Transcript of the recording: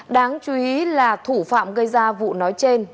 đáng chú ý là thủ phạm gây ra vụ nói trên